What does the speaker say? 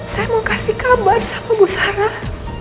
saya mau kasih kabar sama bu sarah